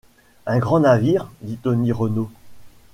Un grand navire ?… dit Tony Renault.